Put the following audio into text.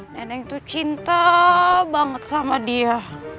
neneng tuh cinta banget sama dia